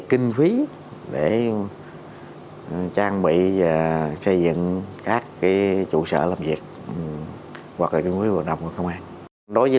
quỹ để trang bị và xây dựng các cái chủ sở làm việc hoặc là cái mối hoạt động của công an đối với